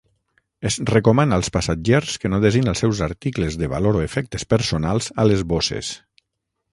Es recomana als passatgers que no desin els seus articles de valor o efectes personals a les bosses.